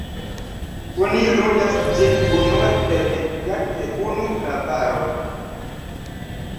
Oni ludas ĝin unue per ekzakte unu klavaro.